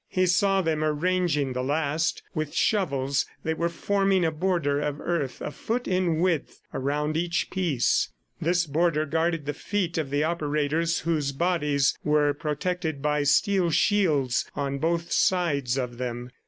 He saw them arranging the last; with shovels, they were forming a border of earth, a foot in width, around each piece. This border guarded the feet of the operators whose bodies were protected by steel shields on both sides of them.